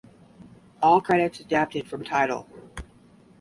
All credits adapted from Tidal.